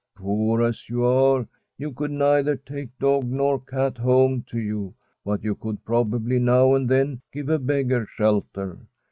Poor as you are, you could neither take dog nor cat home to you, but you could probably now and then give a beggar shelter.